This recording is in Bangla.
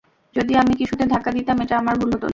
যদি আমি কিছুতে ধাক্কা দিতাম, এটা আমার ভুল হতো না।